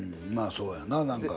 まあそうやな。